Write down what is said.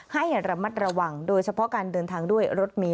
ให้ระมัดระวังโดยเฉพาะการเดินทางด้วยรถเมย